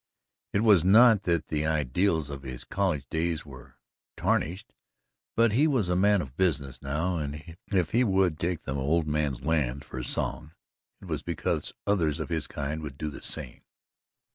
It was not that the ideals of his college days were tarnished, but he was a man of business now, and if he would take the old man's land for a song it was because others of his kind would do the same!